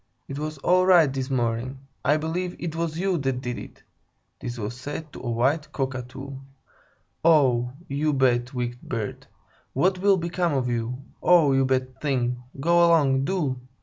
It was all right this morning! I believe it was you that did it!" (this was said to a white Cockatoo). "Oh, you bad, wicked bird! What will become of you? Oh, you bad thing! Go along, do!